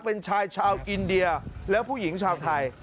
เป็นชายชาวอินเดียแล้วผู้หญิงชาวไทย